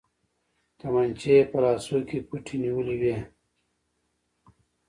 تمانچې يې په لاسو کې پټې نيولې وې.